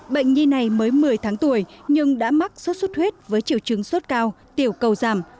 bệnh nhi này mới một mươi tháng tuổi nhưng đã mắc sốt xuất huyết với chiều chứng sốt cao tiểu cầu giảm